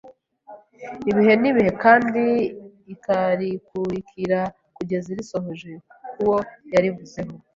ibihe n’ibihe kandi ikarikurikira kugeza irisohoje kuwo yarivuzeho,